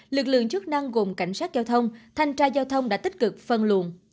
lực lượng chức năng gồm cảnh sát giao thông thanh tra giao thông đã tích cực phân luồn